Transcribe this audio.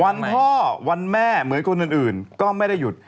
วันพ่อวันแม่เหมือนคนอื่นก็ไม่ได้หยุด